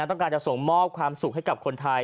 ต้องการจะส่งมอบความสุขให้กับคนไทย